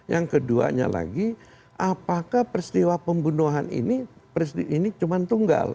yang keduanya lagi apakah peristiwa pembunuhan ini cuma tunggal